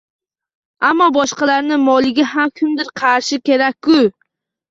Ammo boshqalarning moliga ham kimdir qarashi kerak-ku.